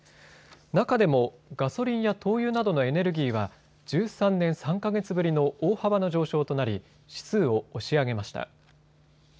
中でもガソリンや灯油などのエネルギーは１３年３か月ぶりの大幅な上昇となり指数を押し上げました。